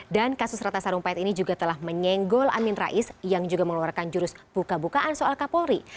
dan kasus ratna sarumpait ini juga telah menyenggol amin rais yang juga mengeluarkan jurus buka bukaan soal kapolri